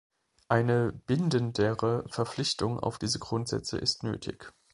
Eine bindendere Verpflichtung auf diese Grundsätze ist nötig.